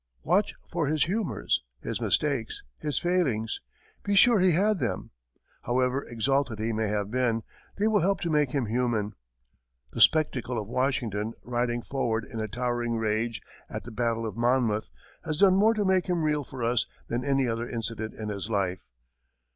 Watch for his humors, his mistakes, his failings be sure he had them, however exalted he may have been they will help to make him human. The spectacle of Washington, riding forward in a towering rage at the battle of Monmouth, has done more to make him real for us than any other incident in his life.